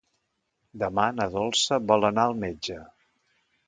Demà na Dolça vol anar al metge.